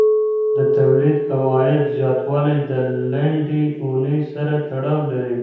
د تولید او عاید زیاتوالی د لنډې اونۍ سره تړاو لري.